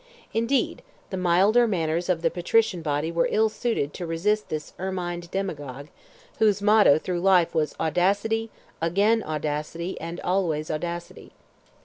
Indeed, the milder manners of the patrician body were ill suited to resist this ermined demagogue, whose motto through life was audacity, again audacity, and always audacity.